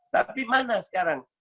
tapi mana sekarang